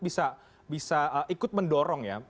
bisa ikut mendorong ya